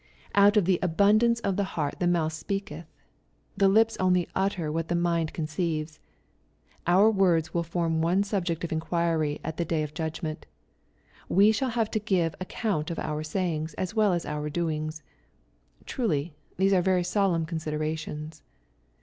" Out of the abundance of the heart the mouth speak eth/' The lips only utter what the mind conceives. Our words will form one subject of inquiry at the day of judgment. We shall have to give account of our sayings, as well as our doings. Truly these are very solemn con siderations.